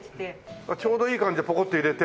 ちょうどいい感じでぽこっと入れて。